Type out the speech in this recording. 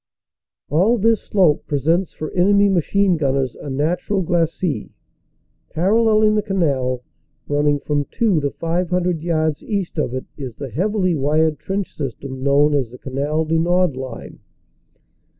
All this slope presents for enemy machine gunners a natural glacis. Paralleling the Canal, running from two to five hundred yards east of it, is the heavily wired trench sys 193 14 194 CANADA S HUNDRED DAYS tern known as the Canal du Nord line.